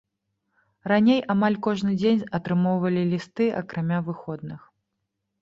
Раней амаль кожны дзень атрымоўвалі лісты акрамя выходных.